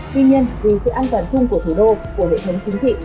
tuy nhiên vì sự an toàn chung của thủ đô của hệ thống chính trị